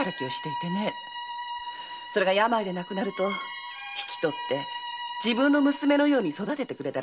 それが病で亡くなると引き取って自分の娘のように育ててくれて。